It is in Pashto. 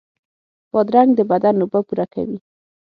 بادرنګ د بدن اوبه پوره کوي.